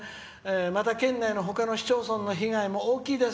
「また県内の他の市町村の被害も大きいです。